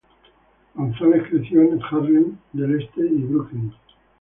González creció en Harlem del Este y Brooklyn.